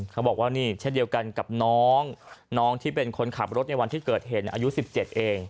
เขาบอกว่านี่เช่นเดียวกันกับน้องน้องที่เป็นคนขับรถในวันที่เกิดเหตุอายุ๑๗เอง